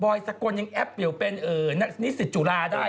บ่อยสะกดยังแอบเปลี่ยวเป็นนี่สิทธิ์จุฬาได้